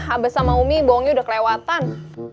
abah sama umi bohongnya udah kelewatan